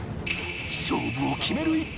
勝負を決める１本！